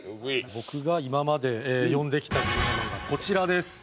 僕が今まで読んできたグルメ漫画こちらです。